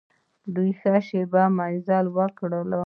دوی ښه شېبه مزل وکړ.